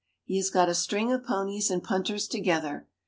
He has got a string of ponies and punters together.